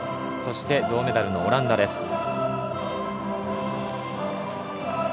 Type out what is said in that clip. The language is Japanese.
銅メダルのオランダです。